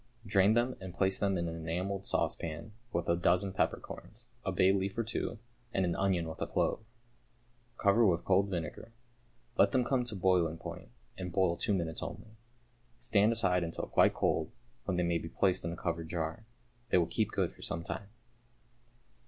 Drain them and place them in an enamelled saucepan with a dozen peppercorns, a bay leaf or two, and an onion with a clove. Cover with cold vinegar. Let them come to boiling point, and boil two minutes only. Stand aside until quite cold, when they may be placed in a covered jar. They will keep good for some time.